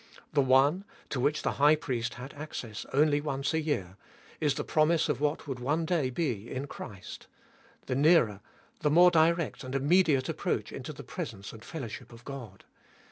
The one, to which the High Priest had access only once a year, is the promise of what would one day be in Christ : the nearer, the more direct and immediate approach into the pre sence and fellowship of God.